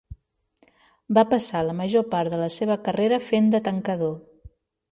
Va passar la major part de la seva carrera fent de tancador.